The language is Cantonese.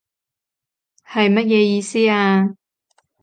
係乜嘢意思啊？